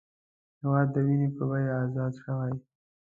هېواد د وینې په بیه ازاد شوی